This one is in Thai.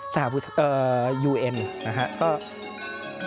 สหรัฐบุรุษยูเอ็นนะครับ